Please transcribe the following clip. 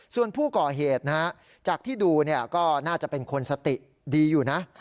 ส่วนผู้ก่อเหตุนะฮะจากที่ดูก็น่าจะเป็นคนสติดีอยู่นะ